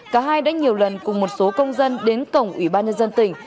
cả hai đã nhiều lần cùng một số công dân đến tổng ủy ban nhân dân tỉnh